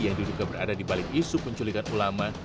yang diduga berada di balik isu penculikan ulama